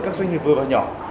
các doanh nghiệp vừa và nhỏ